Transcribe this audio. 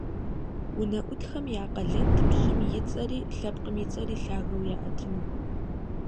УнэӀутхэм я къалэнт пщым и цӀэри, лъэпкъым и цӀэри лъагэу яӀэтыну.